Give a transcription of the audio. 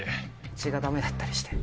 血が駄目だったりして。